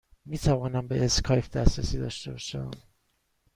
می توانم به اسکایپ دسترسی داشته باشم؟